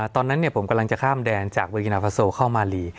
ตอนนั้นผมกำลังจะข้ามแดนจากเวีนาพาโซเข้ามาลี